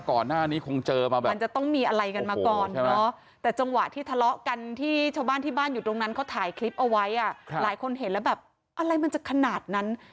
คลิปเอาไว้อ่ะหลายคนเห็นแล้วแบบอะไรมันจะขนาดนั้น